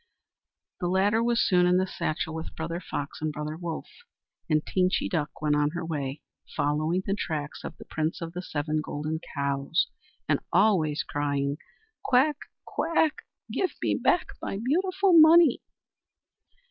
The Ladder was soon in the satchel with Brother Fox and Brother Wolf, and Teenchy Duck went on her way, following the tracks of the Prince of the Seven Golden Cows, and always crying: "Quack! quack! Give me back my beautiful money!"